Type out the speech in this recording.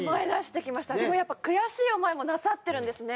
でもやっぱ悔しい思いもなさってるんですね。